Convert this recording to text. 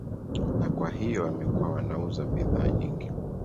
na kwa hiyo wamekuwa wanauza bidhaa nyingi